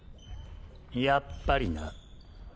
やっぱりな。